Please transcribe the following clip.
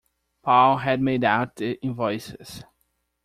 Paul had made out the invoices.